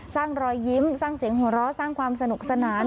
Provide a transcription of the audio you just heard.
รอยยิ้มสร้างเสียงหัวเราะสร้างความสนุกสนาน